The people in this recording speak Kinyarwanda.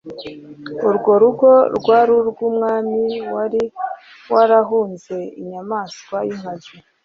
urwo rugo rwari urw' umwami wari warahunze inyamaswa y' inkazi